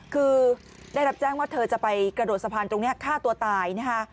คือได้รับแจ้งว่าเธอจะไปกระโดดสะพานตรงนี้ฆ่าตัวตายนะคะ